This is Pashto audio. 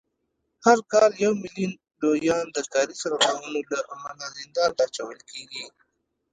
هر کال یو میلیون لویان د کاري سرغړونو له امله زندان ته اچول کېدل